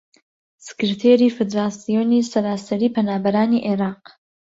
سکرتێری فیدراسیۆنی سەراسەریی پەنابەرانی عێراق